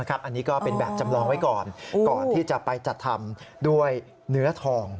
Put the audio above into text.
อันนี้ก็เป็นแบบจำลองไว้ก่อนก่อนที่จะไปจัดทำด้วยเนื้อทอง